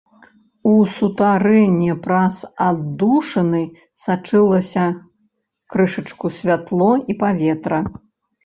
У сутарэнне праз аддушыны сачылася крышачку святло і паветра.